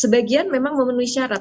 sebagian memang memenuhi syarat